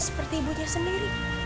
seperti ibunya sendiri